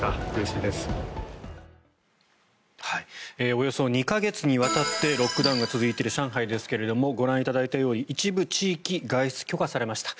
およそ２か月にわたってロックダウンが続いている上海ですけどもご覧いただいたように一部地域外出許可されました。